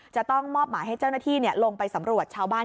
จะต้องมอบหมายให้เจ้าหน้าที่ลงไปสำรวจชาวบ้าน